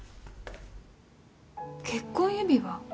結婚指輪？